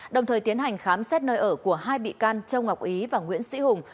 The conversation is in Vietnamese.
đồng thời tiến hành khám xét nơi ở của hai bị can châu ngọc ý và nguyễn sĩ hùng